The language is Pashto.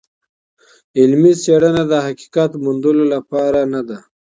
علمي څېړنه د حقیقت موندلو لپاره نده.